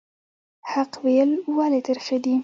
حق ویل ولې ترخه دي؟